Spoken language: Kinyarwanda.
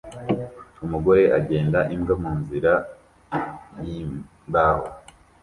Umugore agenda imbwa munzira yimbaho